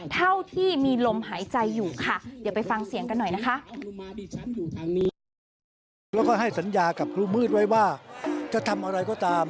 เท่าที่มีลมหายใจอยู่ค่ะ